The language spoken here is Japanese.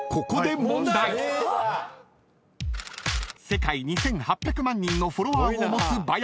［世界２，８００万人のフォロワーを持つバヤシ］